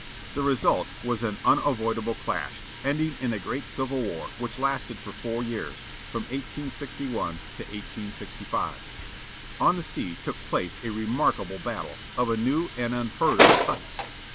The result was an unavoidable clash, ending in a great civil war which lasted for four years, from 1 86 1 to 1865. On the sea took place a remarkable battle, of a new and unheard of type.